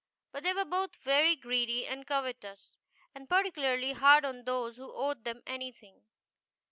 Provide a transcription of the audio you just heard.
But they were both very greedy and covetous, and particularly hard on those who owed them anything.